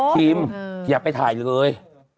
ทีมอย่าไปถ่ายเลย